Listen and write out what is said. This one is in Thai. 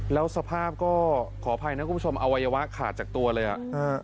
แล้วสภาพก็ขออภัยนะคุณผู้ชมอวัยวะขาดจากตัวเลยอ่ะ